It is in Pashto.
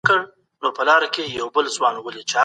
د موادو تر لوستلو وروسته سمه پایله ترلاسه کېږي.